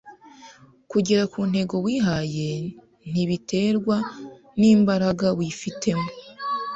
Kugera ku ntego wihaye ntibiterwa n’imbaraga wifitemo